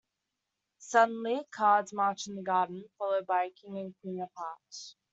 Suddenly, cards march in the garden followed by the King and Queen of Hearts.